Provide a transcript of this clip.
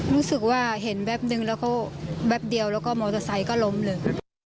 รู้สึกว่าเห็นแวบนึงแล้วก็แป๊บเดียวแล้วก็มอเตอร์ไซค์ก็ล้มเลย